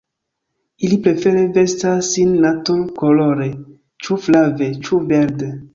Ili prefere vestas sin natur-kolore, ĉu flave, ĉu verde.